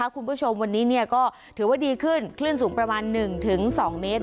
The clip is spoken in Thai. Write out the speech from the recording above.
คุณผู้ชมวันนี้ก็ถือว่าดีขึ้นคลื่นสูงประมาณ๑๒เมตร